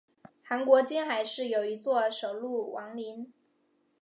韩国金海市有一座首露王陵。